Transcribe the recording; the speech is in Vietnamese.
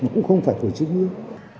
cũng không phải của chức nguyên